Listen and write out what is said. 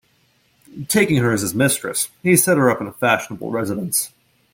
Taking her as his mistress, he set her up in a fashionable residence.